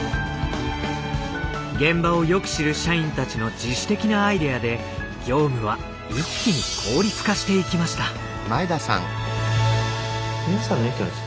現場をよく知る社員たちの自主的なアイデアで業務は一気に効率化していきました。